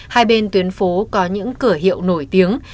hai bên tuyến phố có những cửa hiệu nổi tiếng